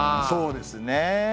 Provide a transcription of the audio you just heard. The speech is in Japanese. そうですね。